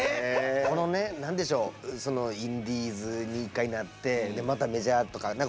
このね何でしょうそのインディーズに一回なってでまたメジャーとか。